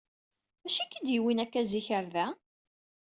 Acu i k-d-yewwin akka zik ɣer da?